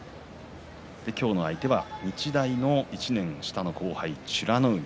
今日の相手は日大の１年後輩の美ノ海。